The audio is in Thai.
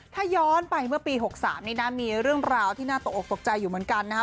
ถ้าย้อนไปเมื่อปี๖๓นี้นะมีเรื่องราวที่น่าตกออกตกใจอยู่เหมือนกันนะฮะ